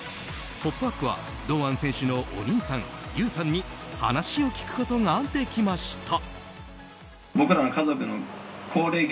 「ポップＵＰ！」は堂安選手のお兄さん憂さんに話を聞くことができました。